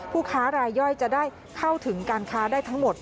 ค้ารายย่อยจะได้เข้าถึงการค้าได้ทั้งหมด